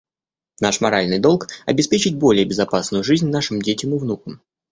Наш моральный долг — обеспечить более безопасную жизнь нашим детям и внукам.